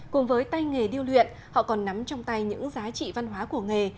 cùng với tay nghề điêu luyện họ còn nắm trong tay những giá trị văn hóa của nghề